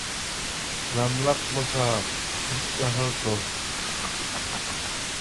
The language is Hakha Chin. Ramlak bahra phuk a har ko.